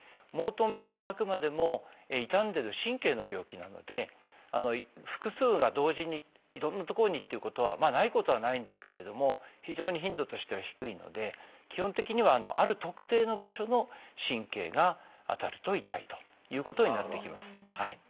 モートン病はあくまでも傷んでる神経の病気なので複数が同時にいろんな所にっていうことはないことはないんですけれども非常に頻度としては低いので基本的にはある特定の場所の神経が当たると痛いということになってきます。